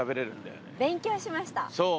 そう！